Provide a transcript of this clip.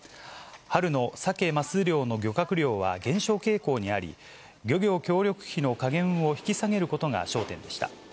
春のサケ・マス漁の漁獲量は減少傾向にあり、漁業協力費の下限を引き下げることが焦点でした。